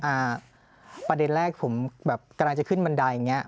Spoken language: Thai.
อ่าประเด็นแรกผมแบบกำลังจะขึ้นบันไดอย่างเงี้